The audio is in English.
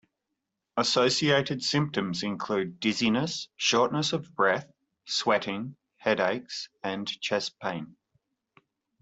Associated symptoms include dizziness, shortness of breath, sweating, headaches, and chest pain.